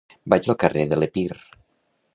Vaig al carrer de l'Epir.